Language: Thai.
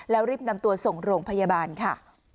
แล้วรีบนำตัวส่งโรงพยาบาลค่ะ